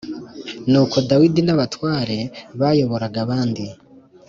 Nuko Dawidi n abatware t bayoboraga abandi